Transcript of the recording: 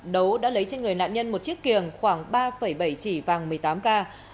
đấu đã lấy trên người nạn nhân một chiếc kiềng khoảng ba bảy chỉ vàng một mươi tám k